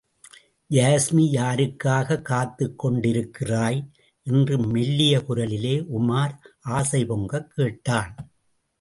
யாஸ்மி யாருக்காக காத்துக் கொண்டிருக்கிறாய்? என்று மெல்லிய குரலிலே உமார் ஆசை பொங்கக் கேட்டான்.